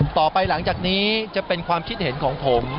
ต่อไปหลังจากนี้จะเป็นความคิดเห็นของผม